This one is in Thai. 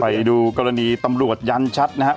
ไปดูกรณีตำรวจยันชัดนะครับ